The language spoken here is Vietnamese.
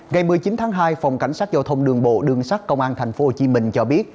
ngày một mươi chín tháng hai phòng cảnh sát giao thông đường bộ đường sát công an tp hcm cho biết